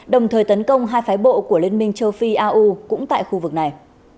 đồng thời tấn công hai phái bộ của liên minh châu phi au cũng tại khu vực này